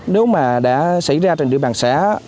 nếu mà đã xảy ra trên địa bàn xã